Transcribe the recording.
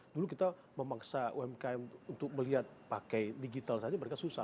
dulu kita memaksa umkm untuk melihat pakai digital saja mereka susah